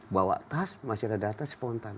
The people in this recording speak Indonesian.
bawa tas masih ada data spontan